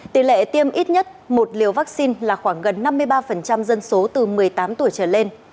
tỷ lệ tiêm ít nhất một liều vaccine là khoảng gần năm mươi triệu